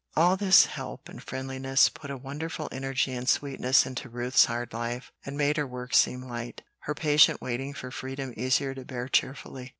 All this help and friendliness put a wonderful energy and sweetness into Ruth's hard life, and made her work seem light, her patient waiting for freedom easier to bear cheerfully.